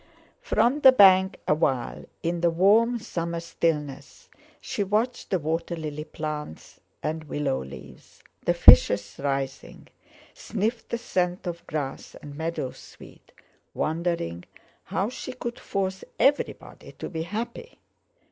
From the bank, awhile, in the warm summer stillness, she watched the water lily plants and willow leaves, the fishes rising; sniffed the scent of grass and meadow sweet, wondering how she could force everybody to be happy.